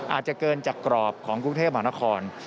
อาจจะเกินจากกรอบของกรุงเทพมหานคร